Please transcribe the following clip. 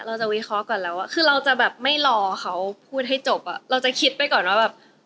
เราจะวิเคราะห์ก่อนแล้วว่าคือเราจะแบบไม่รอเขาพูดให้จบอ่ะเราจะคิดไปก่อนว่าแบบ